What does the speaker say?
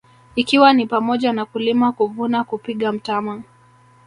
Ikiwa ni pamoja na kulima kuvuna kupiga mtama